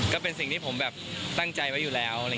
ก็เป็นสิ่งที่ผมแบบตั้งใจไว้อยู่แล้ว